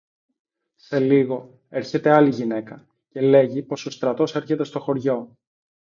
Σε λίγο, έρχεται άλλη γυναίκα, και λέγει πως ο στρατός έρχεται στο χωριό